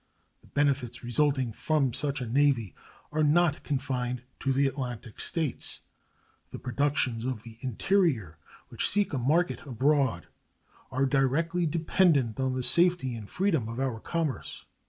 The benefits resulting from such a navy are not confined to the Atlantic States. The productions of the interior which seek a market abroad are directly dependent on the safety and freedom of our commerce.